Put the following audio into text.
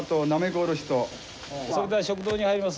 それでは食堂に入ります。